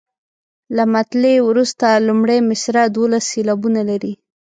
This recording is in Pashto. له مطلع وروسته لومړۍ مصرع دولس سېلابونه لري.